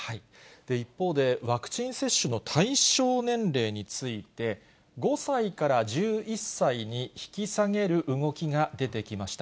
一方で、ワクチン接種の対象年齢について、５歳から１１歳に引き下げる動きが出てきました。